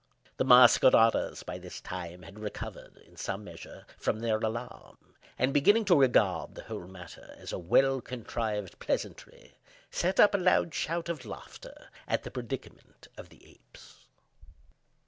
The masqueraders, by this time, had recovered, in some measure, from their alarm; and, beginning to regard the whole matter as a well contrived pleasantry, set up a loud shout of laughter at the predicament of the apes.